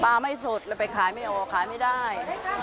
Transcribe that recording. ปลาไม่สดจะขายไม่ออกขายไม่ได้